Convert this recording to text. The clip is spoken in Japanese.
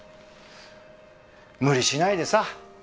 無理しないでさ